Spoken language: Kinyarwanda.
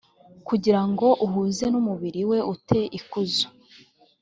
kugira ngo uhuze n umubiri we ute ikuzo